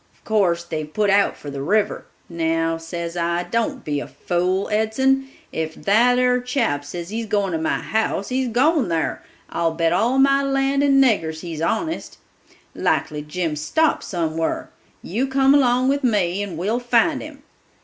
Of course they've put out for the river.' 'Now,' says I, 'don't be a fool, Edson; if that ar chap said he's goin' to my house, he's goin' thar, I'll bet all my land and niggers he's honest. Likely Jim's stopped somewhar. You come along with me and we'll find him.